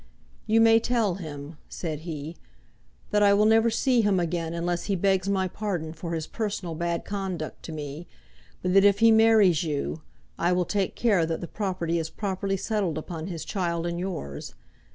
"You may tell him," said he, "that I will never see him again unless he begs my pardon for his personal bad conduct to me, but that if he marries you, I will take care that the property is properly settled upon his child and yours.